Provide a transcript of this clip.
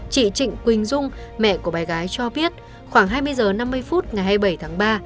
chị trịnh quỳnh dung mẹ của bé gái cho biết khoảng hai mươi h năm mươi phút ngày hai mươi bảy tháng ba